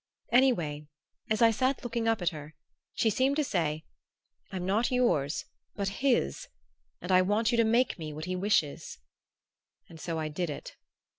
Anyhow, as I sat looking up at her, she seemed to say, 'I'm not yours but his, and I want you to make me what he wishes." And so I did it.